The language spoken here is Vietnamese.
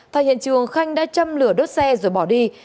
thay hiện trường khanh đã châm lửa đốt xe rồi bỏ đi